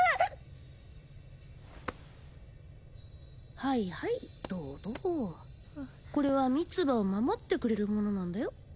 はいはいどうどうこれはミツバを守ってくれるものなんだよ